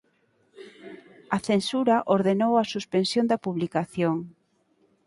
A censura ordenou a suspensión da publicación